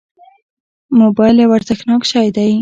موبایل یو ارزښتناک شی دی.